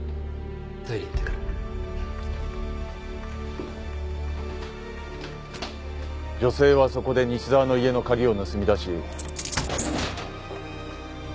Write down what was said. トイレ行ってくる女性はそこで西沢の家の鍵を盗み出し。